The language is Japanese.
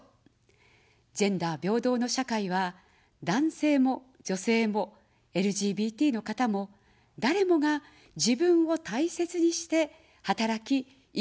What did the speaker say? ジェンダー平等の社会は、男性も女性も、ＬＧＢＴの方も、誰もが自分を大切にして働き、生きることのできる社会です。